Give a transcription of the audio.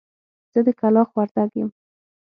زه د کلاخ وردک يم.